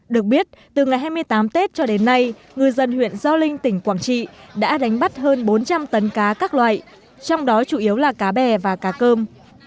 được biết từ ngày hai mươi tám tết cho đến nay ngư dân huyện gio linh tỉnh quảng trị đã đánh bắt hơn bốn trăm linh tấn cá các loại trong đó chủ yếu là cá bè và cá cơm